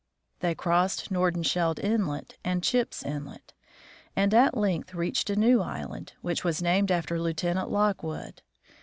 They crossed Nordenskjold inlet and Chipps inlet, and at length reached a new island, which was named after Lieutenant Lockwood.